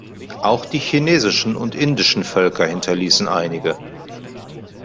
Auch die chinesischen und indischen Völker hinterließen einige.